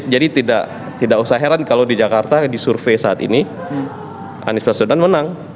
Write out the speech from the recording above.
jadi tidak usah heran kalau di jakarta disurvey saat ini anies prasudan menang